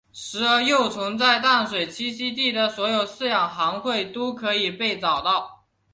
石蛾幼虫在淡水栖息地的所有饲养行会都可以被找到。